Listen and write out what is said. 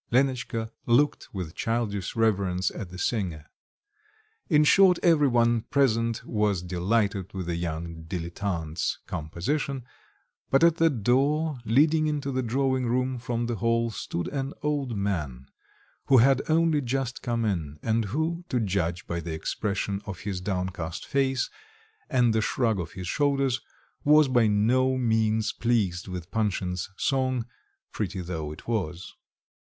Lenotchka looked with childish reverence at the singer. In short, every one present was delighted with the young dilettante's composition; but at the door leading into the drawing room from the hall stood an old man, who had only just come in, and who, to judge by the expression of his downcast face and the shrug of his shoulders, was by no means pleased with Panshin's song, pretty though it was.